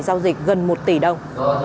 giao dịch gần một tỷ đồng